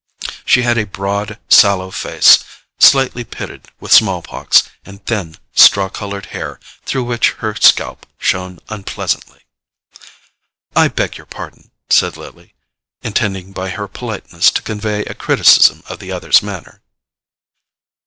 She had a broad sallow face, slightly pitted with small pox, and thin straw coloured hair through which her scalp shone unpleasantly. "I beg your pardon," said Lily, intending by her politeness to convey a criticism of the other's manner.